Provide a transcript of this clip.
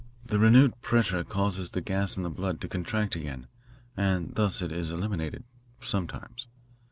The renewed pressure causes the gas in the blood to contract again, and thus it is eliminated sometimes.